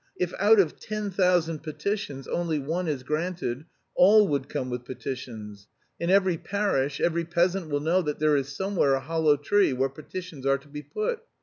If out of ten thousand petitions only one is granted, all would come with petitions. In every parish, every peasant will know that there is somewhere a hollow tree where petitions are to be put.